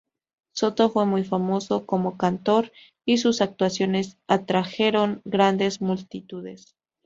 Soto fue muy famoso como cantor, y sus actuaciones atrajeron grandes multitudes.